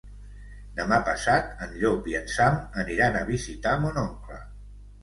Demà passat en Llop i en Sam aniran a visitar mon oncle.